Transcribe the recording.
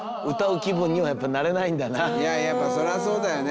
いややっぱそりゃそうだよね。